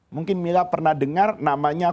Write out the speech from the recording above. mungkin mila pernah dengar namanya